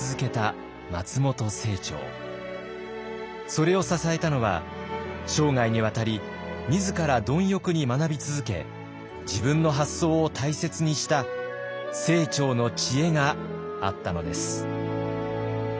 それを支えたのは生涯にわたり自ら貪欲に学び続け自分の発想を大切にした清張の知恵があったのです。